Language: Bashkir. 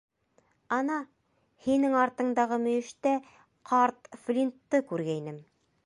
Ана, һинең артыңдағы мөйөштә ҡарт Флинтты күргәйнем.